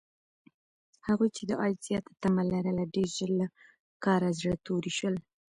هغوی چې د عاید زیاته تمه لرله، ډېر ژر له کاره زړه توري شول.